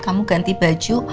kamu ganti baju